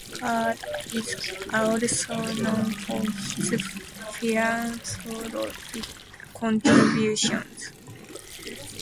Gharda is also known for his philanthropic contributions.